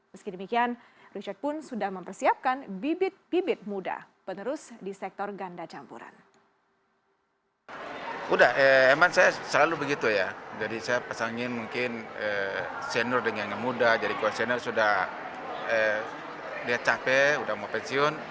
meski demikian richard pun sudah mempersiapkan bibit bibit muda penerus di sektor ganda campuran